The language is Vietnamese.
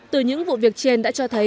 từ những vụ việc trên đã cho thấy